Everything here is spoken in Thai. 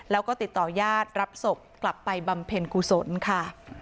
แล้วก็ติดต่อญาติรับศพกลับไปบำเพ็ญกุศลค่ะ